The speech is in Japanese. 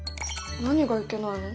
何がいけないの？